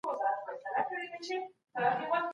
پلار مي وویل چي تاسي باید د پښتو د اصالت ساتنه وکړی.